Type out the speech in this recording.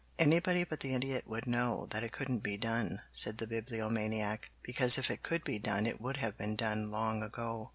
"Anybody but the Idiot would know that it couldn't be done," said the Bibliomaniac, "because if it could be done it would have been done long ago.